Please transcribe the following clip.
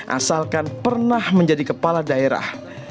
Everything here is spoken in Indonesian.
asalkan pernah menjadi kepala daerah